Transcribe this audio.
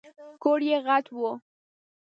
کور یې غټ و .